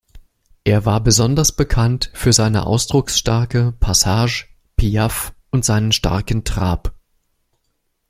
Er war besonders bekannt für seine ausdrucksstarke Passage, Piaffe und seinen starken Trab.